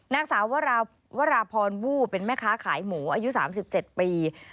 นางสาววราพรวู้เป็นแม่ค้าขายหมูอายุ๓๗ปี